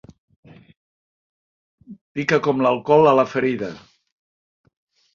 Pica com l'alcohol a la ferida.